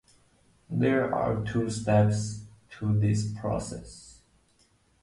There are two steps to this process.